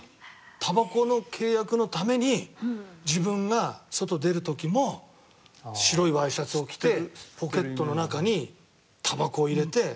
タバコの契約のために自分が外出る時も白いＹシャツを着てポケットの中にタバコを入れてっていう事を。